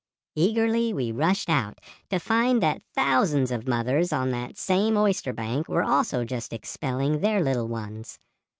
"Eagerly we rushed out, to find that thousands of mothers on that same oyster bank were also just expelling their little ones.